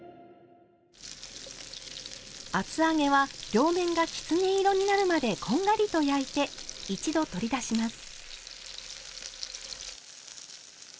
厚揚げは両面がきつね色になるまでこんがりと焼いて一度取り出します。